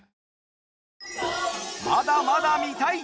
まだまだ見たい。